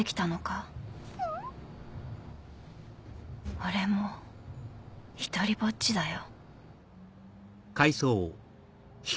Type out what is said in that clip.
俺も独りぼっちだよ。